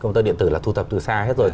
công tơ điện tử là thu tập từ xa hết rồi